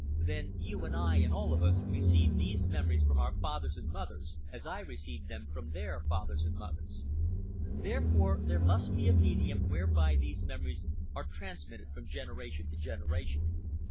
Then you and I and all of us receive these memories from our fathers and mothers, as they received them from their fathers and mothers. Therefore there must be a medium whereby these memories are transmitted from generation to generation.